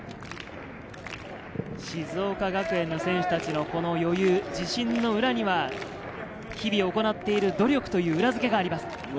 静岡学園の選手たちの余裕、自信の裏には、日々行っている努力という裏付けがあります。